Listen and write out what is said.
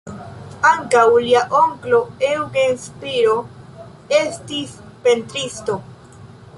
Ankaŭ lia onklo, Eugen Spiro estis pentristo.